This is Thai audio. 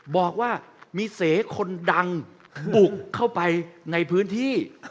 บอกว่ามีเสคนดังบุกเข้าไปในพื้นที่